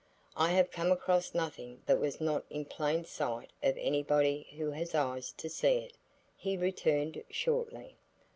"I have come across nothing that was not in plain sight of any body who had eyes to see it," he returned shortly.